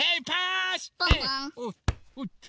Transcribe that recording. おおっと！